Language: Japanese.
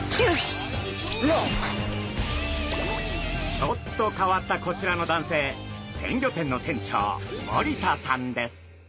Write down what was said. ちょっと変わったこちらの男性鮮魚店の店長森田さんです。